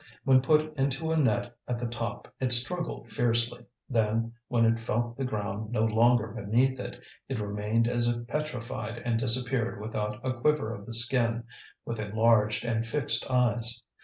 When put into a net at the top it struggled fiercely; then, when it felt the ground no longer beneath it, it remained as if petrified and disappeared without a quiver of the skin, with enlarged and fixed eyes.